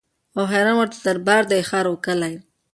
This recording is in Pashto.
او حیران ورته دربار دی ښار او کلی